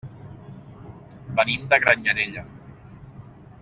Venim de Granyanella.